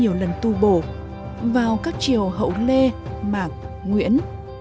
nhiều lần tu bổ vào các chiều hậu lê mạc nguyễn